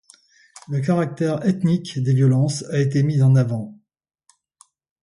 Le caractère ethnique des violences a été mis en avant.